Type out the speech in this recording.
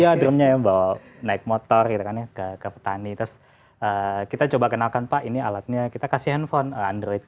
iya drumnya ya bawa naik motor gitu kan ya ke petani terus kita coba kenalkan pak ini alatnya kita kasih handphone android